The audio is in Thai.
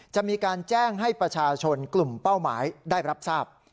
จะมีการแจ้งให้ประชาชนกลุ่มเป้าหมายได้รับทราบ